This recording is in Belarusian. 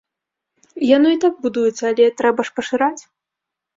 Яно і так будуецца, але трэба ж пашыраць.